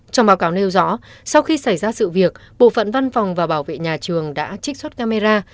trong báo cáo nêu rõ sau khi xảy ra sự việc bộ phận văn phòng và bảo vệ nhà trường đã trích xuất camera